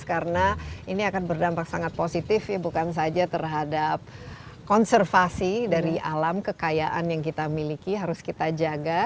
karena ini akan berdampak sangat positif ya bukan saja terhadap konservasi dari alam kekayaan yang kita miliki harus kita jaga